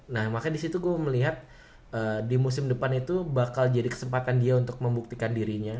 nah makanya disitu gue melihat di musim depan itu bakal jadi kesempatan dia untuk membuktikan dirinya